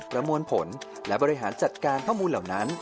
ประมวลผลและบริหารจัดการข้อมูลเหล่านั้น